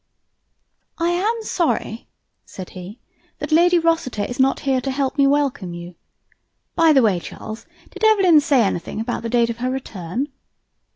"I am sorry," said he, "that Lady Rossiter is not here to help me to welcome you. By the way, Charles, did Evelyn say anything about the date of her return?"